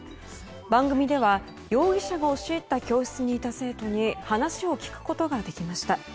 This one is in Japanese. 番組では、容疑者が押し入った教室にいた生徒に話を聞くことができました。